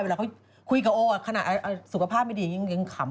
เวลาเขาคุยกับโอขนาดสุขภาพไม่ดียิ่งขำ